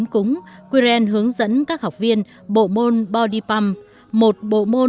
chúng tôi đã chia sẻ rất nhiều thứ